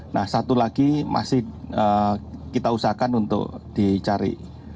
nah satu lagi masih kita usahakan untuk dicari